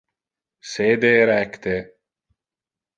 Sede erecte.